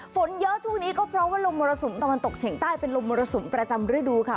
ฝนเยอะช่วงนี้ก็เพราะว่าลมมรสุมตะวันตกเฉียงใต้เป็นลมมรสุมประจำฤดูค่ะ